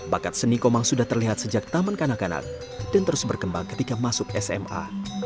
bakat seni komang sudah terlihat sejak taman kanak kanak dan terus berkembang ketika masuk sma